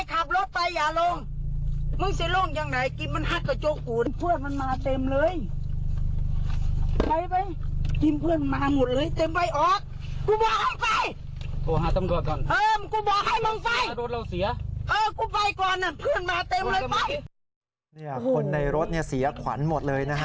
ตรงนี้คนในรถเสียขวัญหมดเลยนะค่ะ